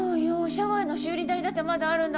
シャワーの修理代だってまだあるんだから。